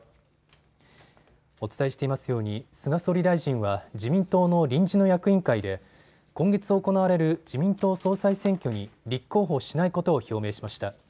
お伝えしていますように菅総理大臣は自民党の臨時の役員会で今月行われる自民党総裁選挙に立候補しないことを表明しました。